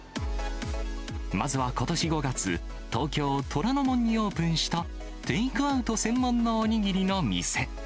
まずはことし５月、東京・虎ノ門にオープンしたテイクアウト専門のお握りの店。